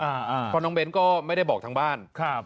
เพราะน้องเบ้นก็ไม่ได้บอกทางบ้านครับ